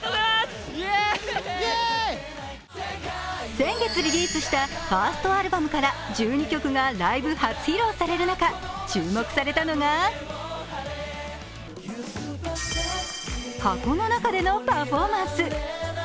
先月、リリースしたファーストアルバムから１２曲がライブ初披露される中注目されたのが、箱の中でのパフォーマンス。